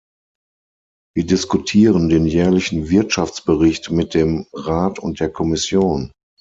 Wir diskutieren den jährlichen Wirtschaftsbericht mit dem Rat und der Kommission.